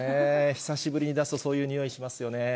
久しぶりに出すと、そういうにおいしますよね。